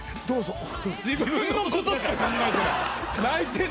どうぞ。